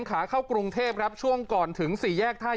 ขาเข้ากรุงเทพครับช่วงก่อนถึงสี่แยกท่า